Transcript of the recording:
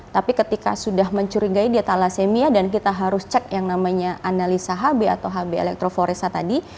tapi ketika sudah mencurigai dia thalassemia dan kita harus cek yang namanya analisa hb atau hb elektroforessa tadi